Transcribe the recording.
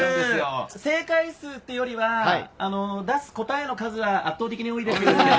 正解数というよりは出す答えの数は圧倒的に多いです。